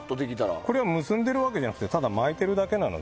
これは結んでいるわけじゃなくてただ巻いているだけなので。